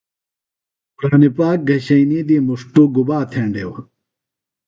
قُرآنی پاک گھشئینی دی مُݜٹوۡ گُباتھینڈیو؟